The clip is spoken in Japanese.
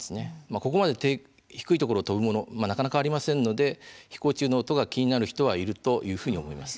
ここまで低いところを飛ぶものはなかなかありませんので飛行中の音が気になる人はいるというふうに思います。